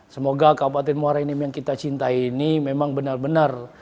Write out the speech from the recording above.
semoga kabupaten muara enim yang kita cintai ini memang benar benar